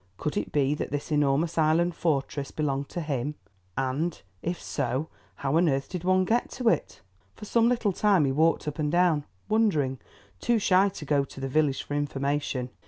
Could it be that this enormous island fortress belonged to him, and, if so, how on earth did one get to it? For some little time he walked up and down, wondering, too shy to go to the village for information.